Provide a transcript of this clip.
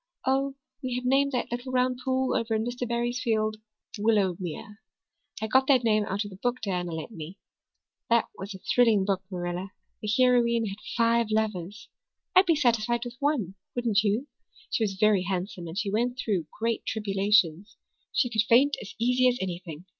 Oh, we have named that little round pool over in Mr. Barry's field Willowmere. I got that name out of the book Diana lent me. That was a thrilling book, Marilla. The heroine had five lovers. I'd be satisfied with one, wouldn't you? She was very handsome and she went through great tribulations. She could faint as easy as anything.